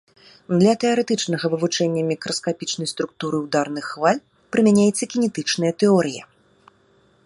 Для тэарэтычнага вывучэння мікраскапічнай структуры ўдарных хваль прымяняецца кінетычная тэорыя.